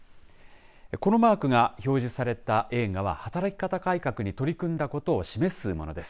このマークが表示された映画は働き方改革に取り組んだことを示すものです。